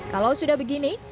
kalau sudah begini